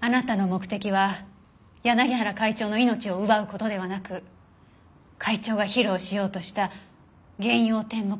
あなたの目的は柳原会長の命を奪う事ではなく会長が披露しようとした幻曜天目茶碗を割る事だった。